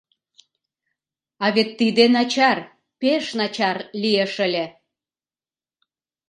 А вет тиде начар, пеш начар лиеш ыле!